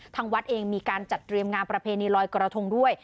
ทางวัดเองมีการจัดเตรียมงานประเพณีลอยกระทงด้วย